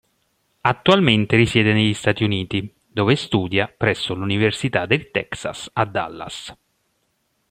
Attualmente risiede negli Stati Uniti, dove studia presso l'Università del Texas a Dallas.